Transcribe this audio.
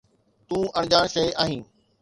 تون اڻڄاڻ شيءِ آهين